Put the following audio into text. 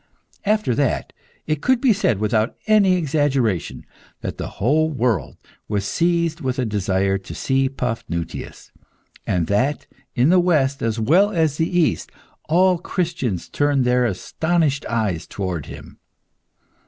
After that, it could be said, without any exaggeration, that the whole world was seized with a desire to see Paphnutius, and that, in the West as well as the East, all Christians turned their astonished eyes towards him.